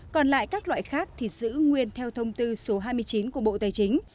còn lại các loại khác thì giữ nguyên theo thông tư số hai mươi chín của bộ tài chính